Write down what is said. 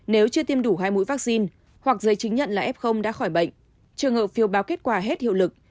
nếu chưa tiêm đủ hai mũi vaccine hoặc giấy chứng nhận là f đã khỏi bệnh trường hợp phiêu báo kết quả hết hiệu lực